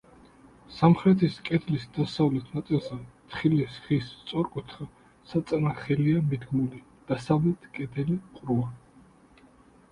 სამხრეთის კედლის დასავლეთ ნაწილზე, თხილის ხის სწორკუთხა საწნახელია მიდგმული, დასავლეთ კედელი ყრუა.